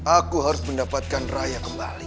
aku harus mendapatkan raya kembali